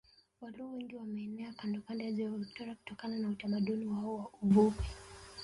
Waluo wengi wameenea kandokando ya Ziwa Viktoria kutokana na utamaduni wao wa uvuvi